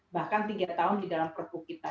bahkan tiga tahun di dalam perpu kita